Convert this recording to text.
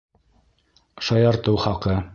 Шаяртыу хаҡы